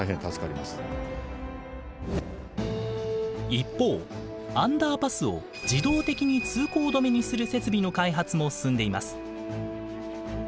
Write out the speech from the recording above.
一方アンダーパスを自動的に通行止めにする設備の開発も進んでいます。